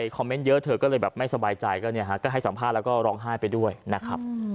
เมนต์เยอะเธอก็เลยแบบไม่สบายใจก็เนี่ยฮะก็ให้สัมภาษณ์แล้วก็ร้องไห้ไปด้วยนะครับ